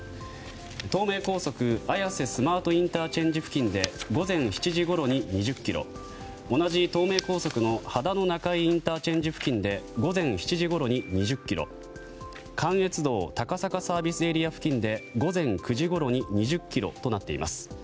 東名高速綾瀬スマートＩＣ付近で午前７時ごろに２０ｋｍ同じ東名高速の秦野中井ＩＣ付近で午前７時ごろに２０ｋｍ関越道高坂ＳＡ付近で午前９時ごろに２０ｋｍとなっています。